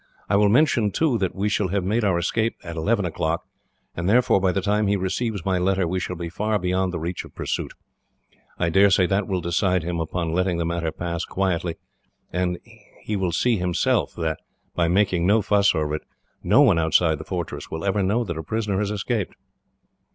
I will mention, too, that we shall have made our escape at eleven o'clock, and therefore, by the time he receives my letter, we shall be far beyond the reach of pursuit. I daresay that will decide him upon letting the matter pass quietly, and he will see himself that, by making no fuss over it, no one outside the fortress will ever know that a prisoner has escaped."